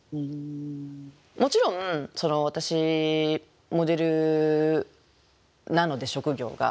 もちろん私モデルなので職業が。